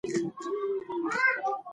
زه سبا سهار ورزش کولو پلان لرم.